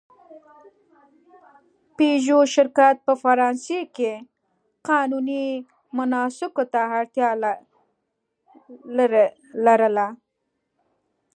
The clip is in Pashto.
د پيژو شرکت په فرانسې کې قانوني مناسکو ته اړتیا لرله.